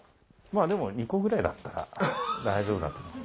でも２個ぐらいだったら大丈夫だと思います。